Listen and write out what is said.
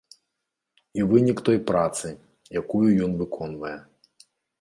І вынік той працы, якую ён выконвае.